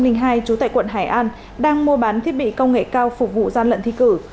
trú tại quận hải an đang mua bán thiết bị công nghệ cao phục vụ gian lận thi cử